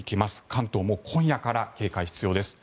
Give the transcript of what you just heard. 関東も今夜から警戒が必要です。